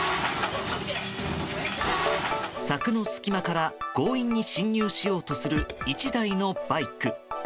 柵の隙間から強引に進入しようとする１台のバイク。